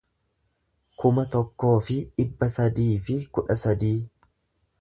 kuma tokkoo fi dhibba sadii fi kudha sadii